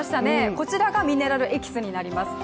こちらがミネラルエキスになります。